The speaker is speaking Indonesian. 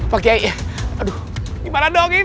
bagi aik ya aduh gimana dong ini